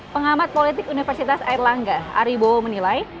pengamat politik universitas airlangga ari bowo menilai